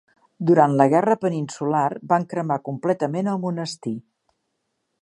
Durant la Guerra Peninsular, van cremar completament el monestir.